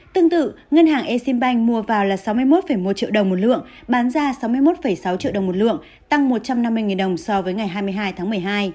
tương tự ngân hàng exim bank mua vào là sáu mươi một một triệu đồng một lượng bán ra sáu mươi một sáu triệu đồng một lượng tăng một trăm năm mươi đồng so với ngày hai mươi hai tháng một mươi hai